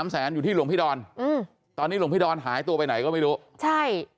แสนอยู่ที่หลวงพี่ดอนอืมตอนนี้หลวงพี่ดอนหายตัวไปไหนก็ไม่รู้ใช่